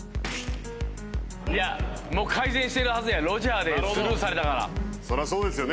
もう改善してるはずやロジャーでスルーされたから。